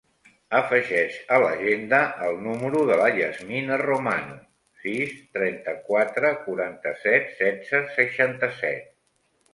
Afegeix a l'agenda el número de la Yasmina Romano: sis, trenta-quatre, quaranta-set, setze, seixanta-set.